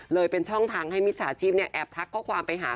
เป็นช่องทางให้มิจฉาชีพแอบทักข้อความไปหา